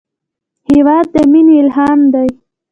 هېواد د مینې الهام دی.